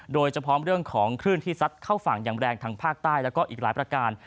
โดยเฉพาะเรื่องของคลื่นที่ซัดเข้าฝั่งอย่างแรงทางภาคใต้แล้วก็อีกหลายประการ